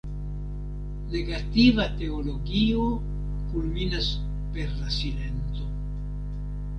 Negativa teologio kulminas per la silento.